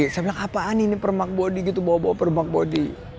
saya bilang apaan ini permak bodi gitu bawa bawa permak bodi